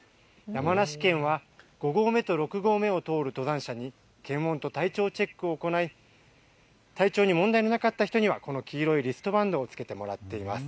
山梨県は５合目と６合目を通る登山者に検温と体調チェックを行い、体調に問題がなかった人にはこの黄色いリストバンドを着けてもらっています。